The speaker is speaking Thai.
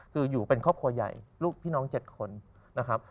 คืออยู่เป็นครอบครัวใหญ่ลูกพี่น้อง๗คนนะครับ